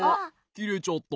きれちゃった。